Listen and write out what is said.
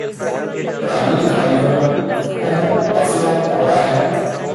ਪੜ੍ਹਾਈ ਲਿਖਾਈ ਵੱਲੋਂ ਉਹ ਅਸਲੋਂ ਕੋਰਾ ਹੈ